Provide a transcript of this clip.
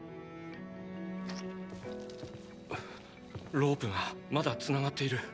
ロープがまだ繋がっている。